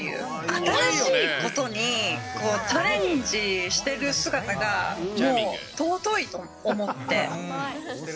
新しいことにチャレンジしてる姿がもう尊いと思って。